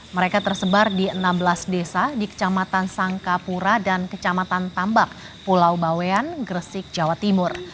mereka tersebar di enam belas desa di kecamatan sangkapura dan kecamatan tambak pulau bawean gresik jawa timur